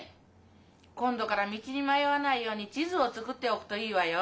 今度から道に迷わないように地図を作っておくといいわよ。